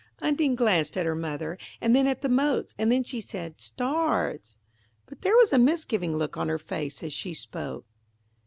Undine glanced at her mother, and then at the motes, and then she said, "Stars;"–but there was a misgiving look on her face as she spoke.